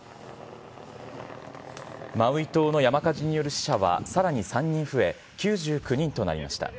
マウイ島の山火事による死者はさらに３人増え、９９人となりました。